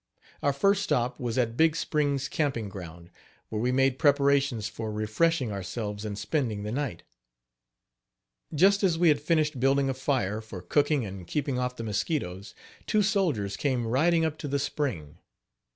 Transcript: Our first stop was at Big Springs camping ground, where we made preparations for refreshing ourselves and spending the night. Just as we had finished building a fire, for cooking and keeping off the mosquitoes, two soldiers came riding up to the spring.